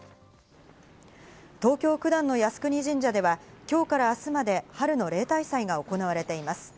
東京・九段の靖国神社では今日から明日まで春の例大祭が行われています。